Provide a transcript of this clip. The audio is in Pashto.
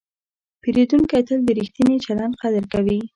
پیرودونکی تل د ریښتیني چلند قدر کوي.